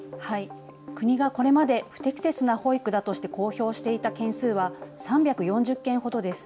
国がこれまで不適切な保育だとして公表していた件数は３４０件ほどです。